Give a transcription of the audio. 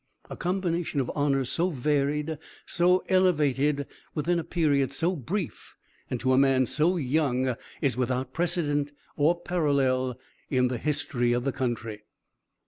A combination of honors so varied, so elevated, within a period so brief and to a man so young, is without precedent or parallel in the history of the country.